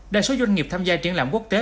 đa số doanh nghiệp tham gia triển lãm quốc tế